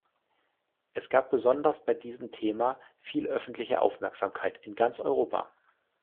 Es gab besonders bei diesem Thema viel öffentliche Aufmerksamkeit in ganz Europa.